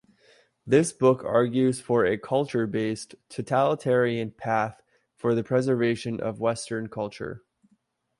This book argues for a culture-based, totalitarian path for the preservation of Western culture.